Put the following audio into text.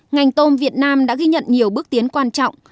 ngành tôm việt nam đã ghi nhận nhiều bước tiến quan trọng